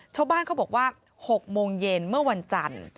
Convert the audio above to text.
ชาวบ้านเขาบอกว่า๖โมงเย็นเมื่อวันจันทร์